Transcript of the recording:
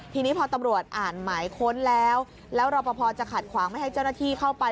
ทีนี้พอตำรวจอ่านหมายค้นแล้วแล้วรอปภจะขัดขวางไม่ให้เจ้าหน้าที่เข้าไป